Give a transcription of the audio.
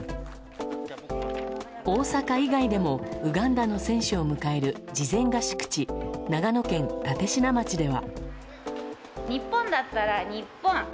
大阪以外でもウガンダの選手を迎える事前合宿地長野県立科町では。